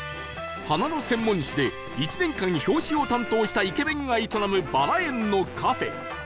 花の専門誌で１年間表紙を担当したイケメンが営むバラ園のカフェ